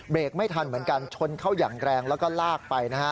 ไม่ทันเหมือนกันชนเข้าอย่างแรงแล้วก็ลากไปนะฮะ